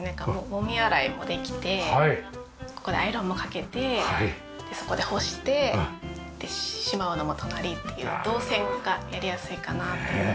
もみ洗いもできてここでアイロンもかけてそこで干してでしまうのも隣っていう動線がやりやすいかなと思って。